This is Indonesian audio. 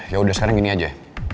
yaudah sekarang gini aja